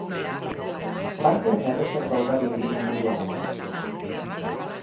Parke eta erreserba ugari ditu inguruan.